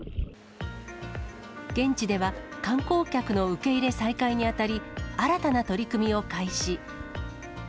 現地では、観光客の受け入れ再開にあたり、新たな取り組みを開始。